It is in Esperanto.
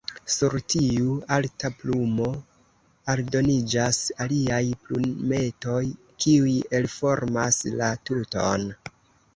Sur tiu alta plumo aldoniĝas aliaj plumetoj, kiuj elformas la tuton.